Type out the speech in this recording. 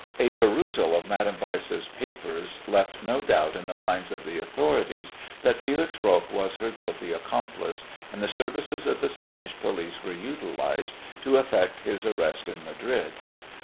A perusal of Madame Weiss's papers left no doubt in the minds of the authorities that Felix Roques was her guilty accomplice, and the services of the Spanish police were utilized to effect his arrest in Madrid.